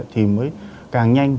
thì mới càng nhanh